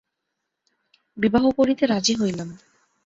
বিবাহ করিতে রাজি হইলাম।